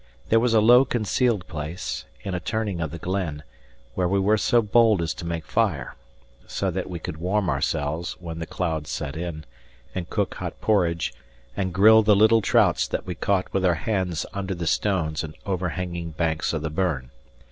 There was a low concealed place, in a turning of the glen, where we were so bold as to make fire: so that we could warm ourselves when the clouds set in, and cook hot porridge, and grill the little trouts that we caught with our hands under the stones and overhanging banks of the burn.